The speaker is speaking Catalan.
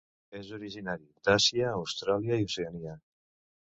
És originari d'Àsia, Austràlia i Oceania.